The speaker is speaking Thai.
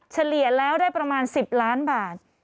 เฉลี่ยแล้วได้ประมาณ๑๐ล้านบาท